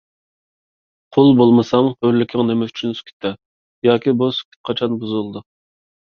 قۇل بولمىساڭ، ھۆرلۈكىڭ نېمە ئۈچۈن سۈكۈتتە؟! ياكى بۇ سۈكۈت قاچان بۇزۇلىدۇ؟